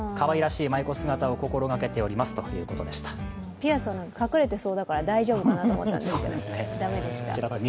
ピアスは隠れてそうだから大丈夫かなと思いましたが駄目でした。